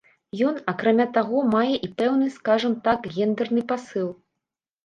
Ён, акрамя таго, мае і пэўны, скажам так, гендэрны пасыл.